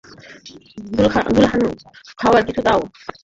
দুলহান, খাওয়ার কিছু দাও।